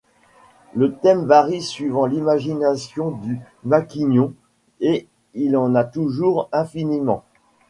Le thème varie suivant l’imagination du maquignon, et il en a toujours infiniment.